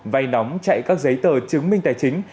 vay nóng chạy các giấy tờ chứng minh tài chính